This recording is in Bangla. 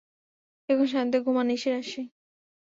এখন শান্তিতে ঘুমা, নিশির অসি।